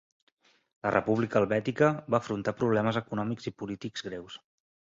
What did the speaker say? La República Helvètica va afrontar problemes econòmics i polítics greus.